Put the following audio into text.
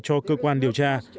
cho cơ quan điều tra